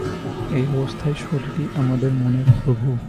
এই অবস্থায় শরীরই আমাদের মনের প্রভু।